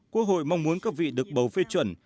quốc hội mong muốn các vị được bầu phê chuẩn